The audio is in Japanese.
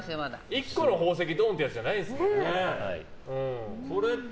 １個の宝石ドーンじゃないですからね。